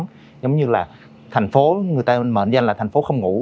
giống như là thành phố người ta mệnh danh là thành phố không ngủ